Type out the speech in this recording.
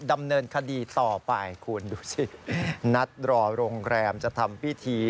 ดำเนินคดีต่อไปคุณดูสินัดรอโรงแรมจะทำพิธี